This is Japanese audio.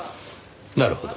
なるほど。